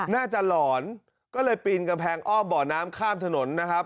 หลอนก็เลยปีนกำแพงอ้อมบ่อน้ำข้ามถนนนะครับ